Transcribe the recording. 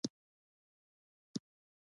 د ځینې خلکو ږغ دروند او زبردست وي.